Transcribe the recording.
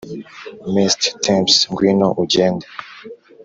mesty tempest, ngwino ugende.